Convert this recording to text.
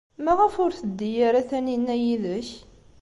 Maɣef ur teddi ara Taninna yid-k?